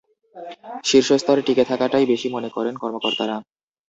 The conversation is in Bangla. শীর্ষ স্তরে টিকে থাকাটাই বেশি মনে করেন কর্মকর্তারা।